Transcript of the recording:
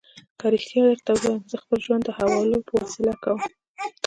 که رښتیا درته ووایم، زه خپل ژوند د حوالو په وسیله کوم.